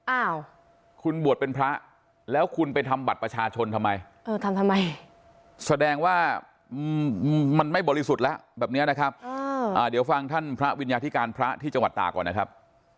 อ้าวคุณบวชเป็นพระแล้วคุณไปทำบัตรประชาชนทำไมเออทำทำไมแสดงว่ามันไม่บริสุทธิ์แล้วแบบนี้นะครับเดี๋ยวฟังท่านพระวิญญาธิการพระที่จังหวัดตากก่อนนะครับ